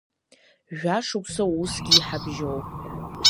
Жәа-шықәса усгьы иҳабжьоуп.